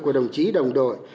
của đồng chí đồng đội